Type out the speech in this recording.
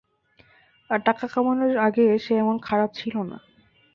আর টাকা কামানোর আগে সে এমন খারাপ ছিলো না।